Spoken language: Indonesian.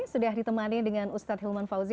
sudah ditemani dengan ustadz hilman fauzi